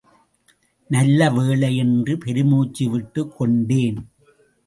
நல்ல வேளை என்று பெருமூச்சு விட்டுக் கொண்டேன்.